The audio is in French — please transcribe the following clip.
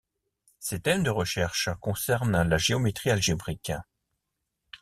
Ses thèmes de recherches concernent la géométrie algébrique.